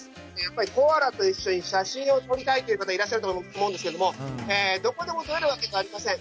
コアラと一緒に写真を撮りたいという方いらっしゃると思うんですけれどもどこでも撮れるわけではありません。